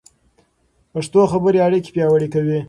پښتو خبرې اړیکې پیاوړې کوي.